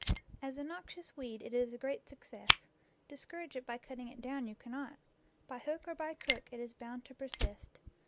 As a noxious weed it is a great success. Dis courage it by cutting it down you cannot. By hook or by crook it is bound to persist.